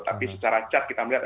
tapi secara cat kita melihat